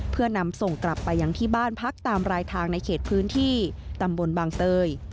เพื่อนำส่งกลับไปยังที่บ้านพักตามรายทางในเขตพื้นที่ตำบลบางเตย